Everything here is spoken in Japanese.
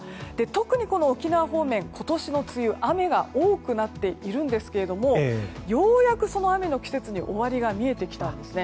特に沖縄方面は今年の梅雨雨が多くなっているんですがようやくその雨の季節に終わりが見えてきたんです。